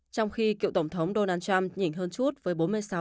trong khi cựu tổng thống donald trump nhìn hơn chút với bốn mươi sáu bốn mươi tám